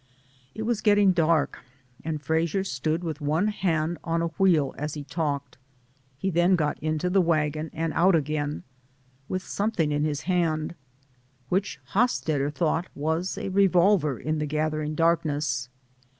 It was getting dark, and Frasier stood with one hand on a wheel as he talked. He then got into the wagon and out again, with something in his hand, which Hosstet ter thought was a revolver in the gathering darkness.